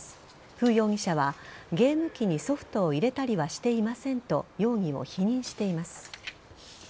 フ容疑者はゲーム機にソフトを入れたりはしていませんと容疑を否認しています。